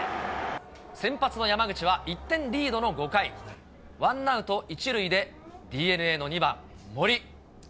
先発の山口は１点リードの５回、ワンアウト１塁でＤｅＮＡの２番森。